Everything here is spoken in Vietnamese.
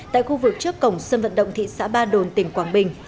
tại khu vực trước cổng sân vận động thị xã ba đồn tỉnh quảng bình